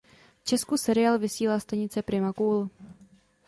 V Česku seriál vysílá stanice Prima Cool.